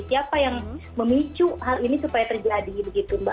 siapa yang memicu hal ini supaya terjadi begitu mbak